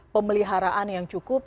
pemeliharaan yang cukup